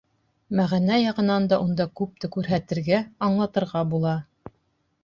Мәғәнә яғынан да унда күпте күрһәтергә, аңлатырға була.